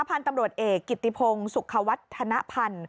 พันธุ์ตำรวจเอกกิติพงศ์สุขวัฒนภัณฑ์